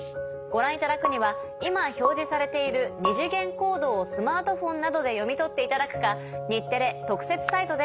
ご覧いただくには今表示されている二次元コードをスマートフォンなどで読み取っていただくか。